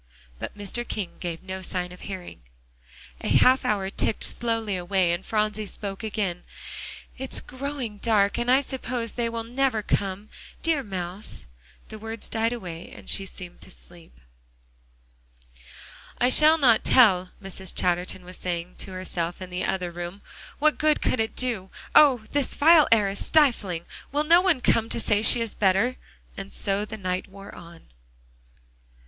But Mr. King gave no sign of hearing. A half hour ticked slowly away, and Phronsie spoke again. "It's growing dark, and I suppose they will never come. Dear mouse" the words died away and she seemed to sleep. "I shall not tell," Mrs. Chatterton was saying to herself in the other room; "what good could it do? Oh! this vile air is stifling. Will no one come to say she is better?" And so the night wore on.